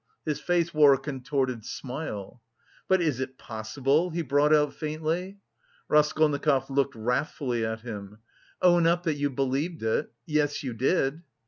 His face wore a contorted smile. "But is it possible?" he brought out faintly. Raskolnikov looked wrathfully at him. "Own up that you believed it, yes, you did?"